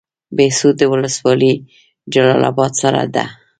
بهسودو ولسوالۍ جلال اباد سره ده؟